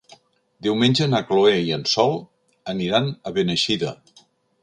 Diumenge na Chloé i en Sol aniran a Beneixida.